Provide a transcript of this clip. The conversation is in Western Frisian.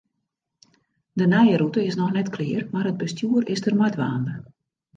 De nije rûte is noch net klear, mar it bestjoer is der mei dwaande.